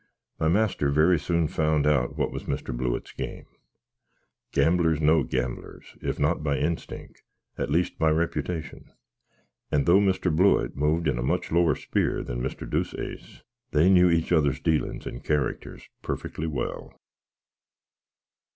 My master very soon found out what was Mr. Blewitt's game. Gamblers know gamblers, if not by instink, at least by reputation; and though Mr. Blewitt moved in a much lower spear than Mr. Deuceace, they knew each other's dealins and caracters puffickly well.